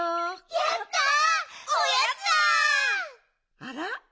あら？